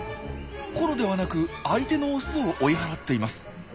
コロではなく相手のオスを追い払っています。